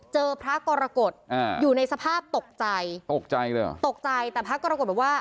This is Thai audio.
เจอพระกรกฎอยู่ในสภาพตกใจตกใจหรือตกใจแต่พระกรกฎแบบว่า